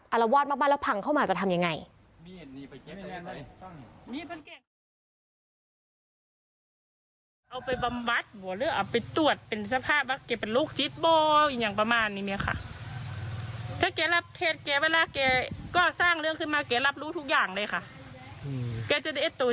อารวาสต์มาบ้านแล้วพังเข้ามาจะทำอย่างไร